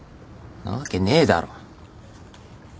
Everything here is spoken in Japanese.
なわけねえだろ！